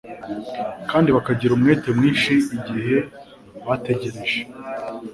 kandi bakagira umwete mwinshi igihe bategereje.